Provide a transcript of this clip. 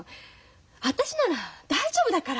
私なら大丈夫だから。